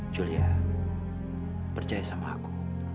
julia percaya sama aku